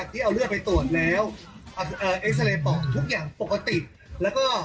ตาแดงมั้ยคะ